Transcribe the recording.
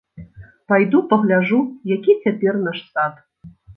Пайду пагляджу, які цяпер наш сад.